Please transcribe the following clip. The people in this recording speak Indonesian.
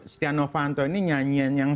setia novanto ini nyanyian yang